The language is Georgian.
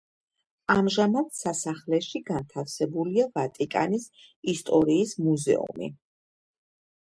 ამჟამად სასახლეში განთავსებულია ვატიკანის ისტორიის მუზეუმი.